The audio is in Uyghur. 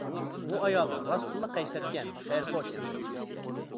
بۇ ئايال راستلا قەيسەركەن خەيرى-خوش ئەمدى.